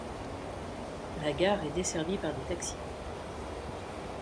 La gare est desservie par des taxis.